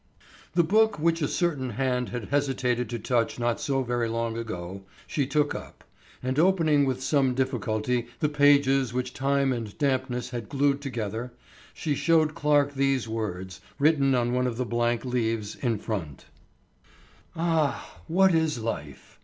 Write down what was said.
The book which a certain hand had hesitated to touch not so very long ago, she took up, and opening with some difficulty the pages which time and dampness had glued together, she showed Clarke these words, written on one of the blank leaves in front: "Ah! what is life!